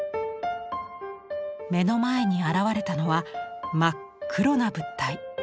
目の前に現れたのは真っ黒な物体。